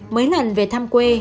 mấy lần về thăm quê